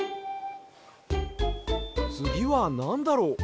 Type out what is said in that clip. つぎはなんだろう？